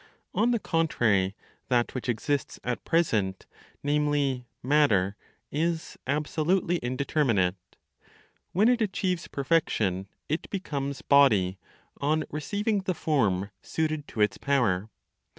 On the contrary, that which exists at present, namely, (matter), is absolutely indeterminate. When it achieves perfection, it becomes body, on receiving the form suited to its power.